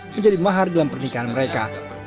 menjadi mahar dalam pernikahan mereka